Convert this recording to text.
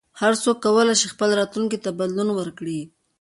هر څوک کولای شي خپل راتلونکي ته بدلون ورکړي.